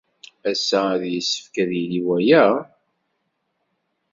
Ass-a ay yessefk ad d-yili waya?